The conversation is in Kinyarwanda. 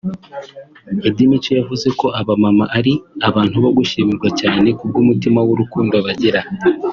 Eddie Mico yavuze ko aba mama ari abantu bo gushimirwa cyane kubw’umutima w’urukundo bagira